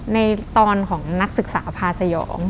ในตอนของนักศึกษาพาสยอง